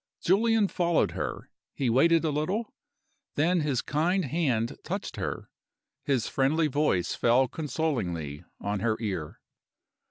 Julian followed her. He waited a little. Then his kind hand touched her; his friendly voice fell consolingly on her ear.